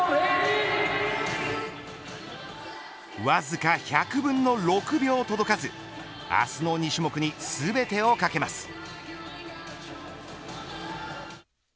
わずか１００分の６秒届かず明日の２種目に全てをかけます。